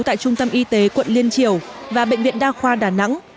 tại trung tâm y tế quận liên triều và bệnh viện đa khoa đà nẵng